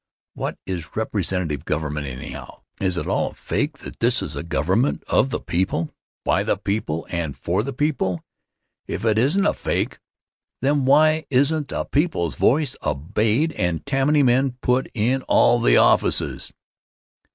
What is representative government, anyhow? Is it all a fake that this is a government of the people, by the people and for the people? If it isn't a fake, then why isn't the people's voice obeyed and Tammany men put in all the offices?